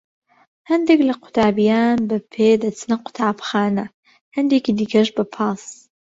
هەندێک لە قوتابیان بە پێ دەچنە قوتابخانە، هەندێکی دیکەش بە پاس.